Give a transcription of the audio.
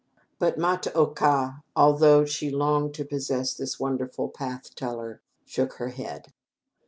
But Ma ta oka, although she longed to possess this wonderful "path teller," shook her head.